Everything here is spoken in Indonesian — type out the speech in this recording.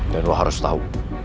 dan lo harus tau